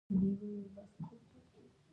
کلي د افغانستان د پوهنې په نصاب کې دي.